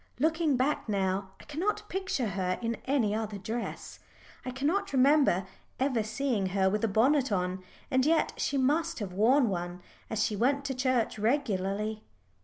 Looking back now, I cannot picture her in any other dress. I cannot remember ever seeing her with a bonnet on, and yet she must have worn one, as she went to church regularly.